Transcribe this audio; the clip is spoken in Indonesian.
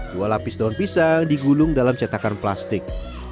dua lapis daun pisang digulung dalam cetakan plastik